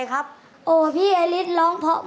ขอบคุณค่ะ